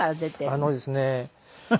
あのですね